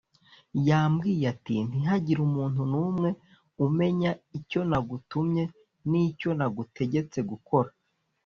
Yambwiye ati ntihagire umuntu n’umwe umenya icyo nagutumye n’icyo nagutegetse gukora